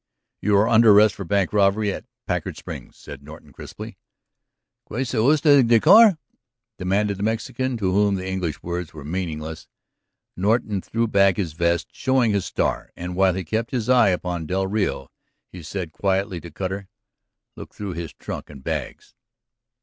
"You are under arrest for the bank robbery at Packard Springs," said Norton crisply. "Que quiere usted decir?" demanded the Mexican, to whom the English words were meaningless. Norton threw back his vest, showing his star. And while he kept his eye upon del Rio he said quietly to Cutter: "Look through his trunk and bags."